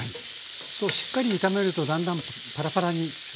しっかり炒めるとだんだんパラパラになってきますかね？